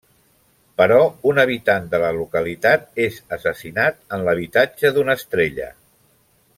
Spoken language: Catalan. Però una habitant de la localitat és assassinat en l'habitatge d'una estrella.